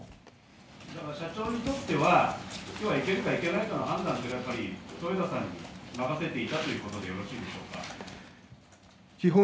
社長にとってはきょうは行けるか行けないかという判断は豊田さんに任せていたということでよろしいんでしょうか。